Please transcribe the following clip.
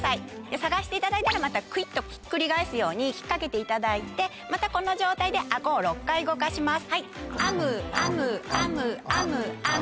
探していただいたらまたくいっとひっくり返すように引っ掛けていただいてまたこの状態でアゴを６回動かします。